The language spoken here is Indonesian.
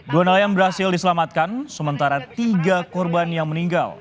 dua nelayan berhasil diselamatkan sementara tiga korban yang meninggal